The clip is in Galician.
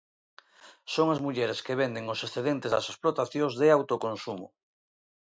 Son as mulleres que venden os excedentes das explotacións de autoconsumo.